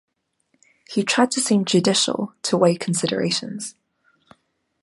He tried to seem judicial, to weigh considerations.